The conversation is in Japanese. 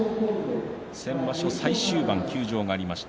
先場所、最終盤休場がありました。